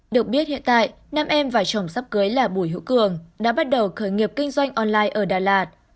được biết hiện tại nam em và chồng sắp cưới là bùi hữu cường đã bắt đầu khởi nghiệp kinh doanh online ở đà lạt